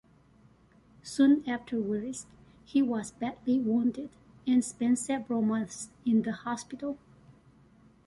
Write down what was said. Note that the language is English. Soon afterwards, he was badly wounded and spent several months in the hospital.